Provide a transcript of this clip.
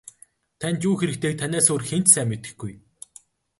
Танд юу хэрэгтэйг танаас өөр хэн ч сайн мэдэхгүй.